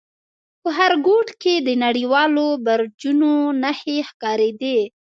په هر گوټ کښې يې د نړېدلو برجونو نخښې ښکارېدې.